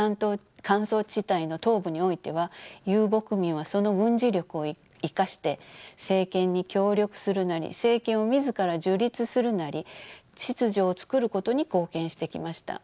乾燥地帯の東部においては遊牧民はその軍事力を生かして政権に協力するなり政権を自ら樹立するなり秩序を作ることに貢献してきました。